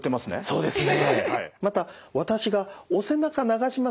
そうですね。